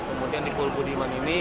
kemudian di pul budiman ini